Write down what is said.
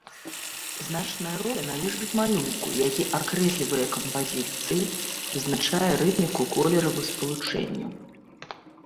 Значная роля належыць малюнку, які акрэслівае кампазіцыю, вызначае рытміку колеравых спалучэнняў.